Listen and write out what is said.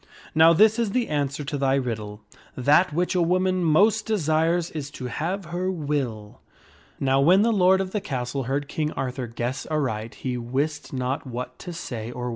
Now this is the answer to thy riddle : That which a woman most desires is to have her will." Now when the lord of the castle heard King Arthur guess aright he wist not what to say or.